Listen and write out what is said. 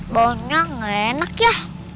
bawahnya enak ya